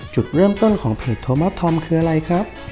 จุดเริ่มต้นของเพจโทมอสธอมคืออะไรครับ